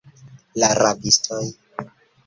La rabistoj.